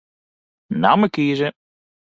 Namme kieze.